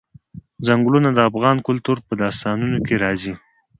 ځنګلونه د افغان کلتور په داستانونو کې راځي.